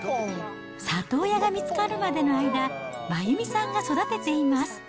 里親が見つかるまでの間、真弓さんが育てています。